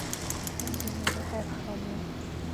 普雷克桑。